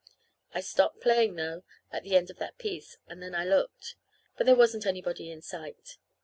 I stopped playing, though, at the end of that piece, and then I looked; but there wasn't anybody in sight.